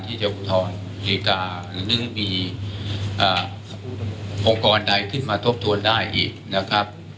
ที่จะผู้ทนธิกานึกมีอ่าองค์กรใดขึ้นมาทบทวนได้อีกนะครับ